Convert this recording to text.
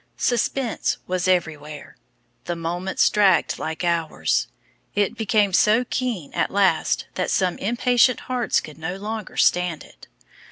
Suspense was everywhere; the moments dragged like hours; it became so keen at last that some impatient hearts could no longer stand it.